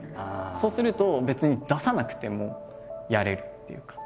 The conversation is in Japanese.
そうすると別に出さなくてもやれるっていうか。